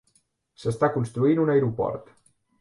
S'està construint un aeroport.